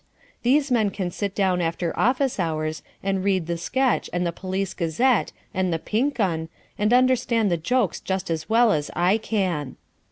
These men can sit down after office hours and read the Sketch and the Police Gazette and the Pink Un, and understand the jokes just as well as I can.